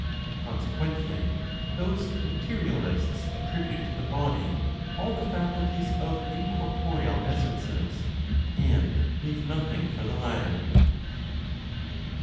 Consequently, those (materialists) attribute to the body all the faculties of incorporeal essences, and leave nothing for the latter.